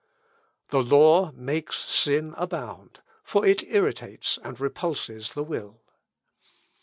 "The law makes sin abound; for it irritates and repulses the will.